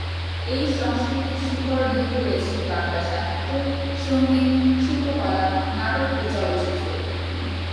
এই সংস্কৃতির শিকড় নিহিত রয়েছে বাংলা সাহিত্য, সংগীত, শিল্পকলা, নাটক ও চলচ্চিত্রে।